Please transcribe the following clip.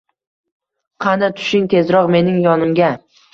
qani, tushing, tezroq mening yonimga.